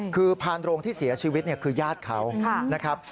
คือพานโรงที่เสียชีวิตคือญาติเขานะครับ